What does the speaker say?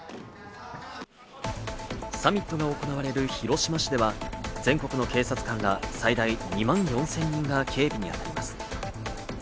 サミットが行われる広島市では、全国の警察官ら最大２万４０００人が警備にあたります。